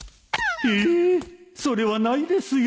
えっそれはないですよ